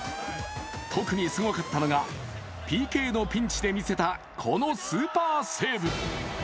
特にすごかったのがＰＫのピンチで見せたこのスーパーセーブ。